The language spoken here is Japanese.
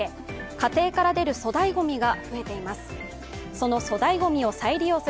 家庭から出る粗大ごみが増えています。